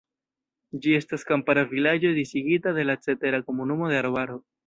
Ĝi estas kampara vilaĝo disigita de la cetera komunumo de arbaro.